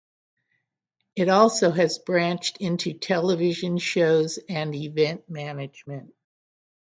It also has branched into television shows and event management.